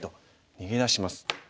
逃げ出します。